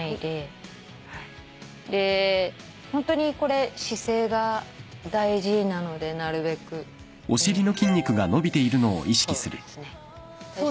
でホントにこれ姿勢が大事なのでなるべくそうですね。